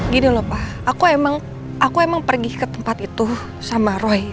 gini loh pak aku emang pergi ke tempat itu sama roy